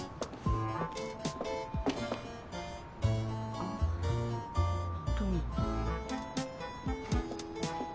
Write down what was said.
あどうも。